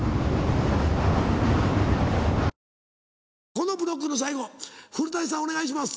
このブロックの最後古さんお願いします。